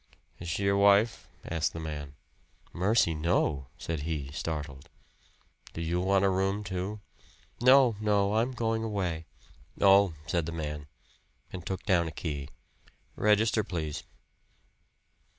"Is she your wife?" asked the man. "Mercy, no," said he startled. "Do you want a room, too?" "No, no, I'm going away." "Oh!" said the man, and took down a key. "Register, please."